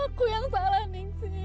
aku yang salah ning si